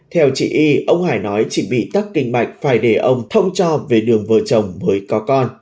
theo chị y ông hải nói chỉ bị tắc kinh mạch phải để ông thông cho về đường vợ chồng mới có con